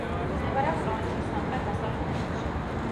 მდებარეობს პროვინციის სამხრეთ-დასავლეთ ნაწილში.